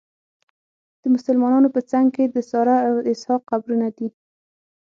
د مسلمانانو په څنګ کې د ساره او اسحاق قبرونه دي.